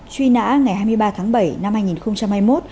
truy nã ngày hai mươi ba tháng bảy năm hai nghìn hai mươi một